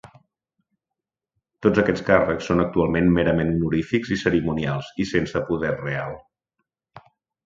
Tots aquests càrrecs són actualment merament honorífics i cerimonials i sense poder real.